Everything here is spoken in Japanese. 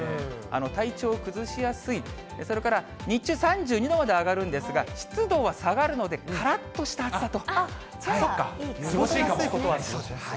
体調を崩しやすい、それから日中３２度まで上がるんですが、湿度は下がるのでからっとした暑さと。